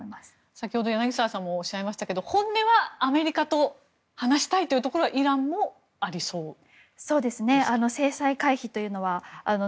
先ほど、柳澤さんもおっしゃいましたが、本音はアメリカと話したいというところはイランにもありそうだと。